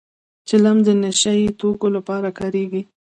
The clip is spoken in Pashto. چلم د نشه يي توکو لپاره کارېږي